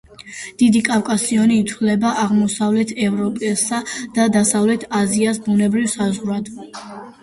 დიდი კავკასიონი ითვლება აღმოსავლეთ ევროპასა და დასავლეთ აზიას ბუნებრივ საზღვრად.